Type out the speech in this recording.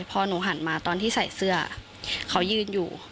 พอหนูหันมาตอนที่ใส่เสื้อเขายืนอยู่